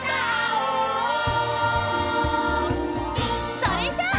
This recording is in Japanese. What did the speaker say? それじゃあ！